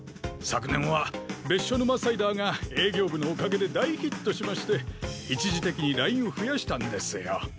昨年は別所沼サイダーが営業部のおかげで大ヒットしまして一時的にラインを増やしたんですよ。